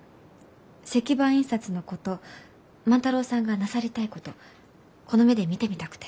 石版印刷のこと万太郎さんがなさりたいことこの目で見てみたくて。